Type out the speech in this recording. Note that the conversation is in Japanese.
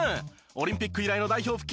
オリンピック以来の代表復帰